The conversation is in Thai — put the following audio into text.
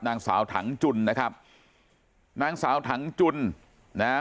นางสาวถังจุนนะครับนางสาวถังจุนนะฮะ